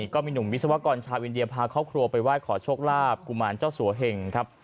ก็มีหนุ่มวิศวกรชาวอินเดียพาครอบครัวไปไหว้ขอโชคลาภกุมารเจ้าสัวเหงครับ